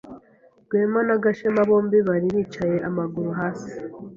Rwema na Gashema bombi bari bicaye amaguru hasi.